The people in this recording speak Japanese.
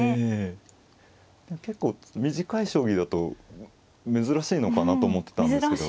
ええ結構短い将棋だと珍しいのかなと思っていたんですけど。